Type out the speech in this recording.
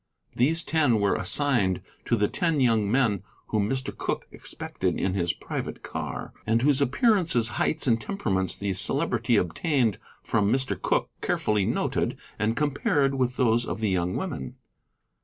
These ten were assigned to the ten young men whom Mr. Cooke expected in his private car, and whose appearances, heights, and temperaments the Celebrity obtained from Mr. Cooke, carefully noted, and compared with those of the young women.